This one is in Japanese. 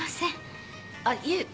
あっいえ。